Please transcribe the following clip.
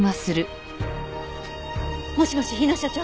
もしもし日野所長？